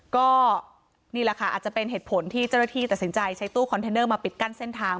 ก็นี่แหละค่ะอาจจะเป็นเหตุผลที่เจ้าหน้าที่ตัดสินใจใช้ตู้คอนเทนเนอร์มาปิดกั้นเส้นทาง